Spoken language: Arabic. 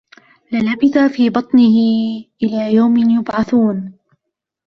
لَلَبِثَ فِي بَطْنِهِ إِلَى يَوْمِ يُبْعَثُونَ